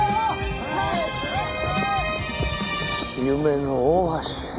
夢の大橋ね。